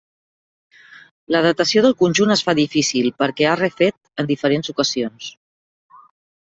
La datació del conjunt es fa difícil perquè ha refet en diferents ocasions.